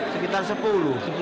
kajiannya sudah berapa